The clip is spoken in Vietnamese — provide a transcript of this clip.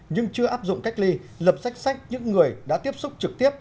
nhưng chưa áp dụng cách ly lập sách sách những người đã tiếp xúc trực tiếp